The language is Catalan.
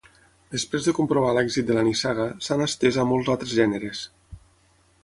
Després de comprovar l'èxit de la nissaga, s'han estès a molts altres gèneres.